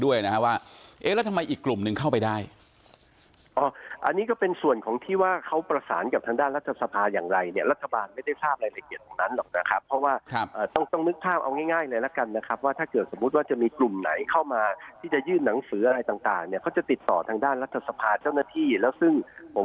ด้วยนะฮะว่าเอ๊ะแล้วทำไมอีกกลุ่มหนึ่งเข้าไปได้อ๋ออันนี้ก็เป็นส่วนของที่ว่าเขาประสานกับทางด้านรัฐสภาอย่างไรเนี่ยรัฐบาลไม่ได้ทราบรายละเอียดตรงนั้นหรอกนะครับเพราะว่าต้องต้องนึกภาพเอาง่ายง่ายเลยละกันนะครับว่าถ้าเกิดสมมุติว่าจะมีกลุ่มไหนเข้ามาที่จะยื่นหนังสืออะไรต่างเนี่ยเขาจะติดต่อทางด้านรัฐสภาเจ้าหน้าที่แล้วซึ่งผม